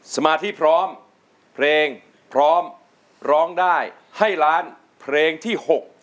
สมาธิพร้อมเพลงพร้อมร้องได้ให้ล้านเพลงที่๖